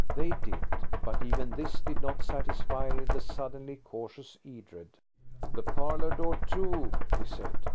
They did. But even this did not satisfy the suddenly cautious Edred. "The parlour door, too," he said.